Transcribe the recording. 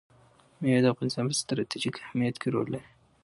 مېوې د افغانستان په ستراتیژیک اهمیت کې رول لري.